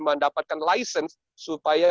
mendapatkan lisensi supaya